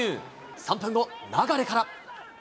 ３分後、流から。